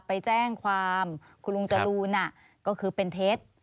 ไปแจ้งความคุณลุงจรูนก็คือเป็นเท็จ